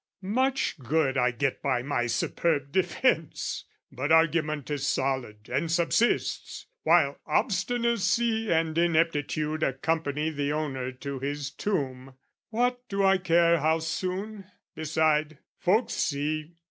"Much good I get by my superb defence! "But argument is solid and subsists, "While obstinacy and ineptitude "Accompany the owner to his tomb; "What do I care how soon? Beside, folks see!